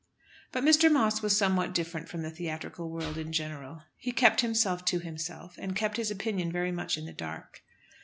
But Mr. Moss was somewhat different from the theatrical world in general. He kept himself to himself, and kept his opinion very much in the dark.